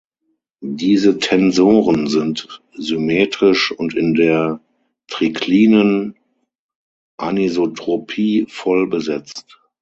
Diese Tensoren sind symmetrisch und in der triklinen Anisotropie voll besetzt.